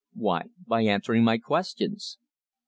Why, by answering my questions.